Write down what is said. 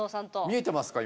見えてますか？